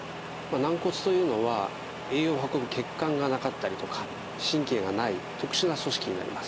軟骨というのは栄養を運ぶ血管がなかったりとか神経がない特殊な組織になります。